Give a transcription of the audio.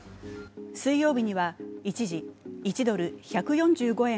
水曜日には一時１ドル＝１４５円